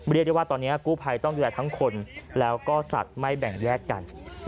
เรียกได้ว่าตอนนี้กู้ภัยต้องดูแลทั้งคนแล้วก็สัตว์ไม่แบ่งแยกกัน